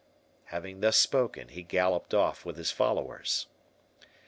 Having thus spoken, he galloped off with his followers.